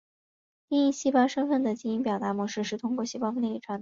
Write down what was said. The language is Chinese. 定义细胞身份的基因表达模式是通过细胞分裂遗传的。